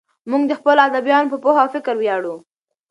موږ د خپلو ادیبانو په پوهه او فکر ویاړو.